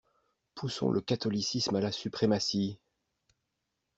Poussons le catholicisme à la suprématie.